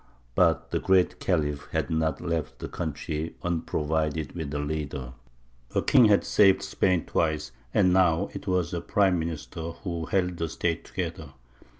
But the Great Khalif had not left the country unprovided with a leader. A king had saved Spain twice, and now it was a prime minister who held the State together.